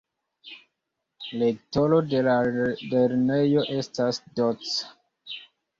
Rektoro de la lernejo estas Doc.